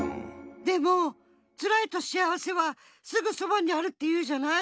でも「つらい」と「幸せ」はすぐそばにあるっていうじゃない？